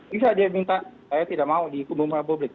bisa dia minta saya tidak mau dihukum rumah publik